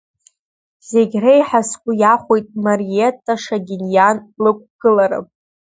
Зегь реиҳа сгәы иахәеит Мариетта Шагиниан лықәгылара.